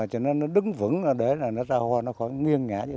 còn tứ phân cũng vậy